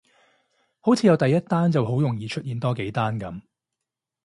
好似有第一單就好容易再出現多幾單噉